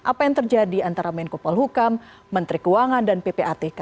apa yang terjadi antara menko polhukam menteri keuangan dan ppatk